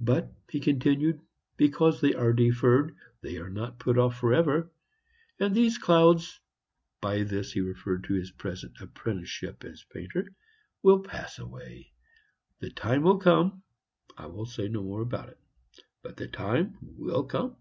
"But," he continued, "because they are deferred, they are not put off for ever, and these clouds" (by this he referred to his present apprenticeship as painter) "will pass away. The time will come I say no more about it; but the time will come."